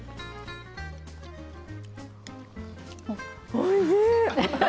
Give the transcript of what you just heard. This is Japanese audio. おいしい。